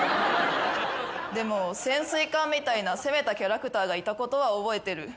でも潜水艦みたいな攻めたキャラクターがいたことは覚えてる。